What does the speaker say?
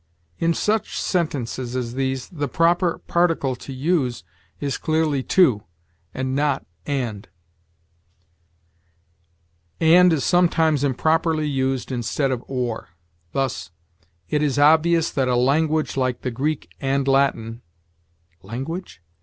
In such sentences as these, the proper particle to use is clearly to and not and. And is sometimes improperly used instead of or; thus, "It is obvious that a language like the Greek and Latin" (language?)